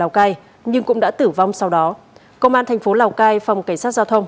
lào cai nhưng cũng đã tử vong sau đó công an thành phố lào cai phòng cảnh sát giao thông